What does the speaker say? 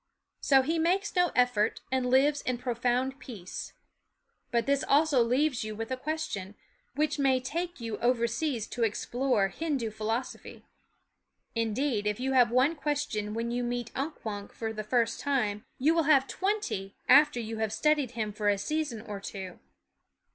So he makes no effort and lives in profound peace. But this also leaves you with a question, which may take you overseas to explore Hindu philosophy. Indeed, if you have ^| one question when you meet Unk Wunk for the first time, you will have twenty after you have 4 studied him for a season or two.